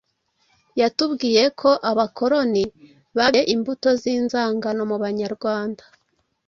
Yatubwiye ko Abakoroni babibye imbuto y’inzangano mu Banyarwanda